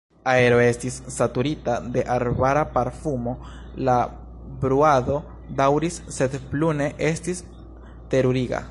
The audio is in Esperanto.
Aero estis saturita de arbara parfumo, la bruado daŭris, sed plu ne estis teruriga.